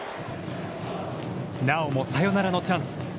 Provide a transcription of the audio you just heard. なおもサヨナラのチャンス。